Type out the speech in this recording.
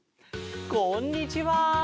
こんにちは！